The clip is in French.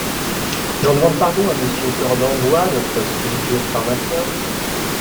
J’en demande pardon à Monsieur Cordenbois, notre spirituel pharmacien…